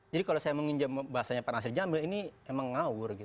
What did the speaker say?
jadi kalau saya menginjam bahasanya pak nasir jambil ini memang ngawur